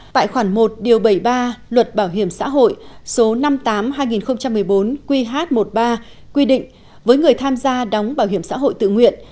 tại khoản một điều bảy mươi ba luật bảo hiểm xã hội số năm mươi tám hai nghìn một mươi bốn qh một mươi ba quy định với người tham gia đóng bảo hiểm xã hội tự nguyện